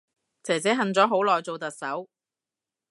姐姐恨咗好耐做特首